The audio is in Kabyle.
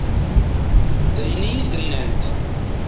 D ayen i yi-d-nnant.